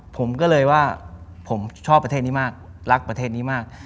ผมก็เลยว่าผมชอบประเทศนี้มากรักประเทศนี้มาก